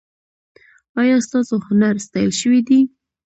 ایا ستاسو هنر ستایل شوی دی؟